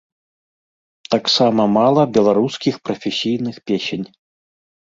Таксама мала беларускіх прафесійных песень.